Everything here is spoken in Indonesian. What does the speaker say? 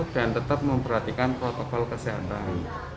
dan tetap memperhatikan protokol kesehatan